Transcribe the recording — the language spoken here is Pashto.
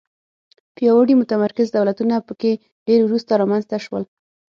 پیاوړي متمرکز دولتونه په کې ډېر وروسته رامنځته شول.